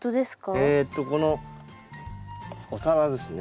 えーっとこのお皿ですね。